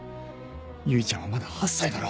唯ちゃんはまだ８歳だろ。